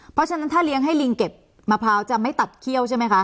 เพราะฉะนั้นถ้าเลี้ยงให้ลิงเก็บมะพร้าวจะไม่ตัดเขี้ยวใช่ไหมคะ